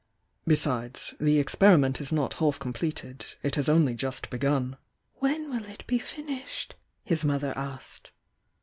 Besides, — the experiment is not half completed — it has only just begun." "When will it be finished?" his mother asked.